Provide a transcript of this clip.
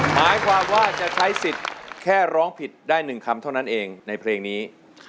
หมายความว่าจะใช้สิทธิ์แค่ร้องผิดได้๑คำเท่านั้นเองในเพลงนี้